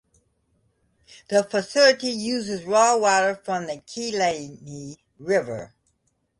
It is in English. The facility uses raw water from the Kelani River.